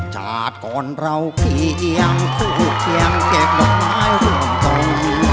ชาติก่อนเราเคียงคู่เคียงเก่งหลบไม้ร่วมต้น